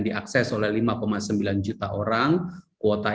diakses oleh lima sembilan juta orang kuota